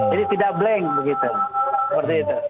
jadi tidak blank begitu